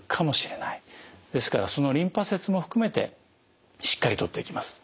ですからそのリンパ節も含めてしっかり取っていきます。